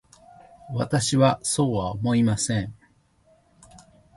私はそうは思いません。